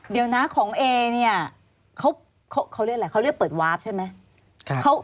เดี๋ยวนะของเอเนี่ยเขาเรียกอะไรเขาเรียกเปิดวาร์ฟใช่ไหม